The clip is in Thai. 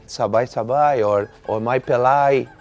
สบายหรือไม่เป็นไร